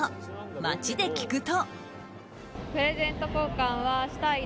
街で聞くと。